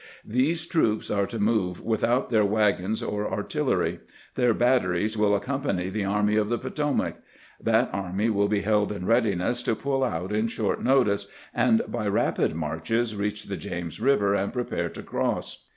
These troops are to move without their wagons or artil lery. Their batteries will accompany the Army of the Potomac. That army will be held in readiness to pull 188 CAMPAIGNING WITH GRANT out on short notice, and by rapid marches reach the James River and prepare to cross.